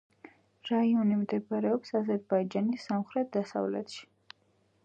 რაიონი მდებარეობს აზერბაიჯანის სამხრეთ-დასავლეთში.